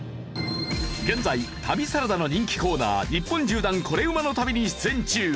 現在『旅サラダ』の人気コーナー「日本縦断コレうまの旅」に出演中。